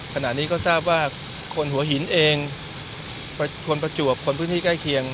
ขณะนี้ก็ทราบว่าคนหัวหินเองคนประจวบคนพื้นที่ใกล้เคียง